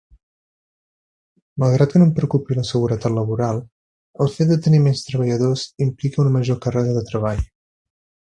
Malgrat que no em preocupi la seguretat laboral, el fet de tenir menys treballadors implica una major càrrega de treball.